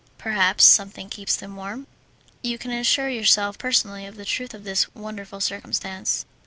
"Perhaps something keeps them warm." "You can assure yourself personally of the truth of this wonderful circumstance."